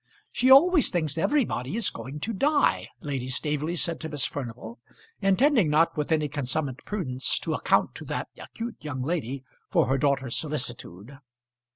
"She always thinks everybody is going to die," Lady Staveley said to Miss Furnival, intending, not with any consummate prudence, to account to that acute young lady for her daughter's solicitude.